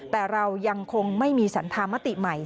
แต่เรายังคงไม่มีสันธามติใหม่